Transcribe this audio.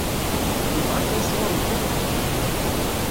Yebɣa kra sɣur-nteɣ?